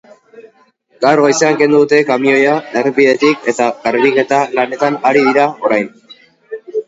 Gaur goizean kendu dute kamioia errepidetik eta garbiketa lanetan ari dira orain.